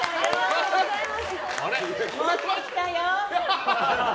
持ってきたよ。